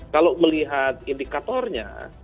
kalau melihat indikatornya